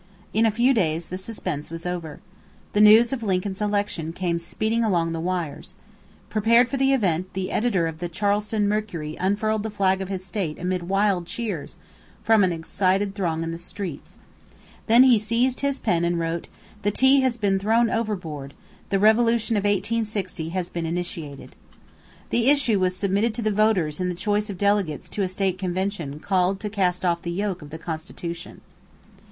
In a few days the suspense was over. The news of Lincoln's election came speeding along the wires. Prepared for the event, the editor of the Charleston Mercury unfurled the flag of his state amid wild cheers from an excited throng in the streets. Then he seized his pen and wrote: "The tea has been thrown overboard; the revolution of 1860 has been initiated." The issue was submitted to the voters in the choice of delegates to a state convention called to cast off the yoke of the Constitution.